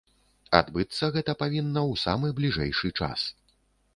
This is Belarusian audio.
Адбыцца гэта павінна ў самы бліжэйшы час.